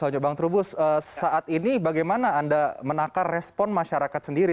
bang trubus saat ini bagaimana anda menakar respon masyarakat sendiri